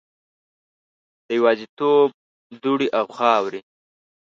د یوازیتوب دوړې او خاورې